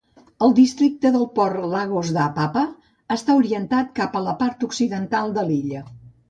El districte del port Lagos d'Apapa està orientat cap a la part occidental de la illa.